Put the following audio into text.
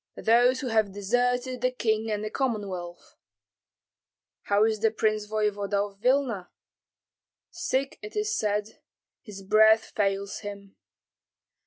"Those who have deserted the king and the Commonwealth." "How is the prince voevoda of Vilna?" "Sick, it is said; his breath fails him."